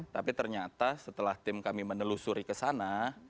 tapi ternyata setelah tim kami menelusuri kesana